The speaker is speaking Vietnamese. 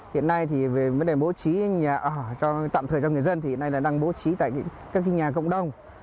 hiện nay thì về vấn đề bố trí nhà ở tạm thời cho người dân thì hiện nay là đang bố trí tại các nhà cộng đồng